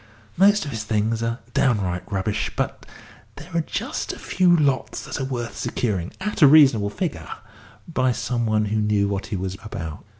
Most of his things are downright rubbish, but there are just a few lots that are worth securing, at a reasonable figure, by some one who knew what he was about."